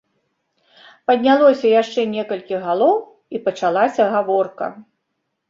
Паднялося яшчэ некалькі галоў, і пачалася гаворка.